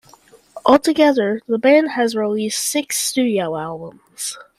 Altogether, the band has released six studio albums.